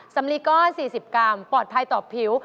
สำลีก้อน๔๐กรัมปลอดภัยต่อผิว